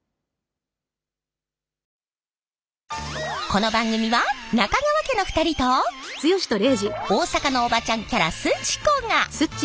この番組は中川家の２人と大阪のおばちゃんキャラすち子が